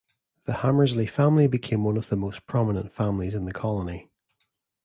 The Hamersley family became one of the most prominent families in the colony.